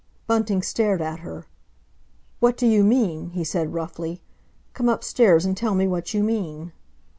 Bunting stared at her. "What do you mean?" he said roughly. "Come upstairs and tell me what you mean."